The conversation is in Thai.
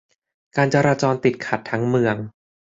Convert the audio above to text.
การจราจรติดขัดทั้งเมือง